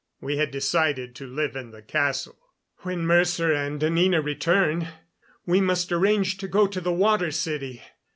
We had decided to live in the castle. "When Mercer and Anina return, we must arrange to go to the Water City.